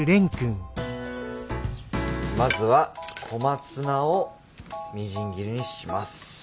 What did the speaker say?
まずは小松菜をみじん切りにします。